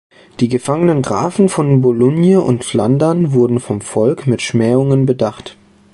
Die gefangenen Grafen von Boulogne und Flandern wurden vom Volk mit Schmähungen bedacht.